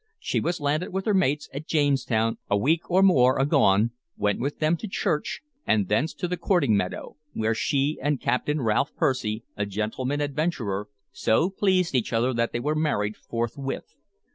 She was landed with her mates at Jamestown a week or more agone, went with them to church and thence to the courting meadow, where she and Captain Ralph Percy, a gentleman adventurer, so pleased each other that they were married forthwith.